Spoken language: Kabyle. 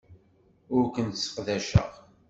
Ur kent-sseqdaceɣ.